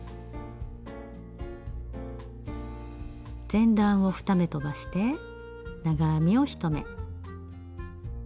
前段を２目飛ばして長編みを１目。